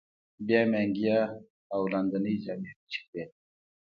بیا مې انګیا او لاندینۍ جامې وچې کړې.